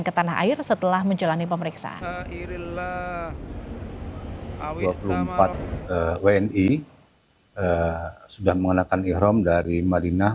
ke tanah air setelah menjalani pemeriksaan dua puluh empat wni sudah mengenakan ikhram dari madinah